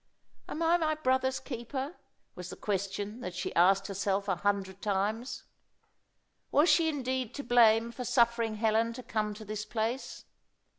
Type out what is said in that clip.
"Am I my brother's keeper?" was the question that she asked herself a hundred times. Was she indeed to blame for suffering Helen to come to this place?